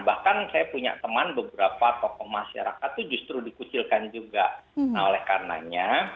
bahkan saya punya teman beberapa tokoh masyarakat itu justru dikucilkan juga nah oleh karenanya